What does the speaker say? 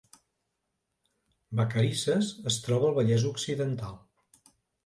Vacarisses es troba Vallès Occidental